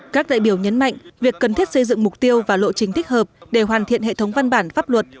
các đại biểu nhấn mạnh việc cần thiết xây dựng mục tiêu và lộ trình thích hợp để hoàn thiện hệ thống văn bản pháp luật